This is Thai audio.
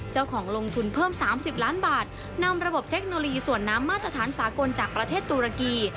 ลงทุนเพิ่ม๓๐ล้านบาทนำระบบเทคโนโลยีส่วนน้ำมาตรฐานสากลจากประเทศตุรกี